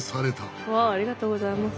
わあありがとうございます。